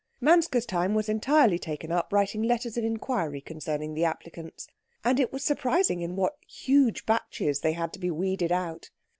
Manske's time was entirely taken up writing letters of inquiry concerning the applicants, and it was surprising in what huge batches they had to be weeded out.